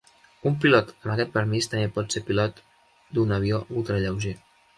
Un pilot amb aquest permís també pot ser pilot d'un avió ultralleuger.